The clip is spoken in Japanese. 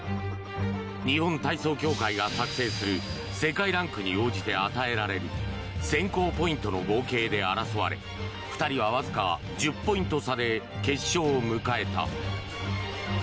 日本体操協会が作成する世界ランクに応じて与えられる選考ポイントの合計で争われ２人はわずか１０ポイント差で決勝を迎えた。